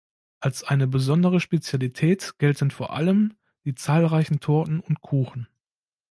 Als eine besondere Spezialität gelten vor allem die zahlreichen Torten und Kuchen.